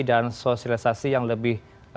dan sosialisasi yang lebih